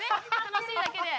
楽しいだけで。